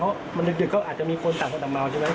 เพราะมันดึกก็อาจจะมีคนต่างมาใช่ไหม